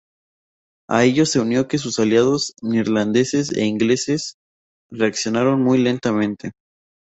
A ello se unió que sus aliados neerlandeses e ingleses reaccionaron muy lentamente.